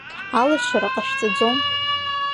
Алашара ҟашәҵаӡом…